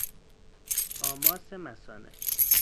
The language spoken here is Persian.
آماس مثانه